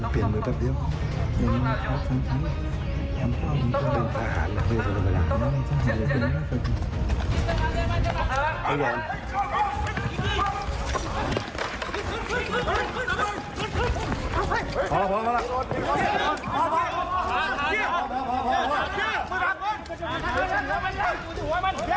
พอแล้วพอแล้ว